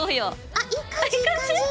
あいい感じ！いい感じ？